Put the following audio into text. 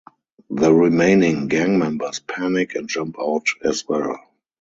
The remaining gang members panic and jump out as well.